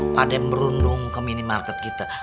pada merundung ke minimarket kita